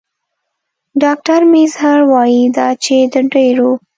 ډاکټر میزهر وايي دا چې د ډېرو